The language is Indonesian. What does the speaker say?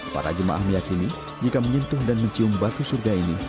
para jemaah meyakini jika menyentuh dan mencium batu surga ini